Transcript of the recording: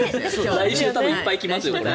来週いっぱい来ますよ。